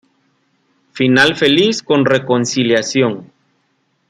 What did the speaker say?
Final feliz con reconciliación.